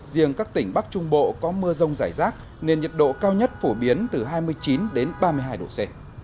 riêng các tỉnh bắc trung bộ có mưa rông rải rác nên nhiệt độ cao nhất phổ biến từ hai mươi chín ba mươi hai độ c